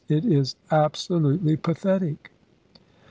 It is absolutely pathetic."